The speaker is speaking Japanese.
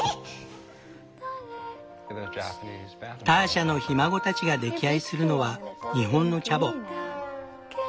ターシャのひ孫たちが溺愛するのは日本のチャボ。